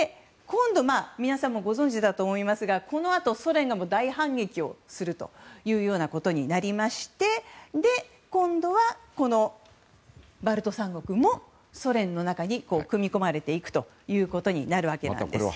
皆さんもご存じだと思いますがこのあとソ連が大反撃をするようになりまして今度はバルト三国もソ連の中に組み込まれていくということになるわけです。